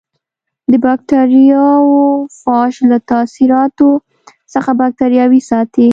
د بکټریوفاژ له تاثیراتو څخه باکتریاوې ساتي.